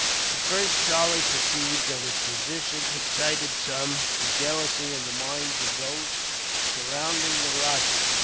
At first, Charlie perceived that his position excited some jealousy in the minds of those surrounding the rajah.